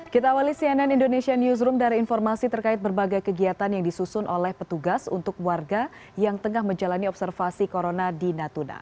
kita awali cnn indonesia newsroom dari informasi terkait berbagai kegiatan yang disusun oleh petugas untuk warga yang tengah menjalani observasi corona di natuna